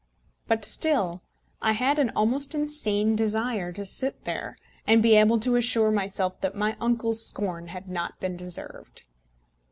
But still I had an almost insane desire to sit there, and be able to assure myself that my uncle's scorn had not been deserved.